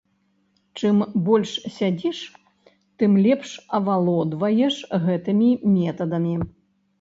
Чым больш сядзіш, тым лепш авалодваеш гэтымі метадамі.